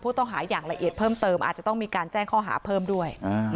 ต้องหาอย่างละเอียดเพิ่มเติมอาจจะต้องมีการแจ้งข้อหาเพิ่มด้วย